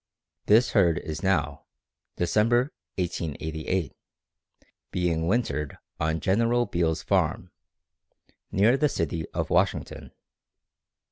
This herd is now (December, 1888) being wintered on General Beale's farm, near the city of Washington.